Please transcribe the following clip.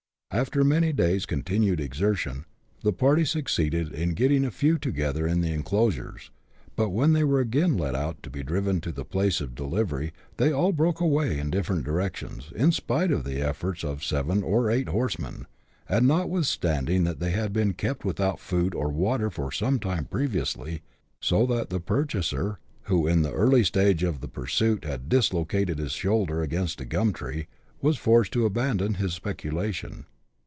After many days' continued exertion, the party succeeded in getting a few together in the enclosures ; but when they were again let out to be driven to the place of delivery, they all broke away in different directions, in spite of the efforts of seven or eight horsemen, and notwithstanding that they had been kept without food or water for some time previously ; so that the purchaser, who in the early stage of the pursuit had dislocated his shoulder against a gum tree, was forced to abandon his speculation.